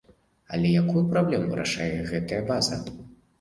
Але якую праблему вырашае гэтая база?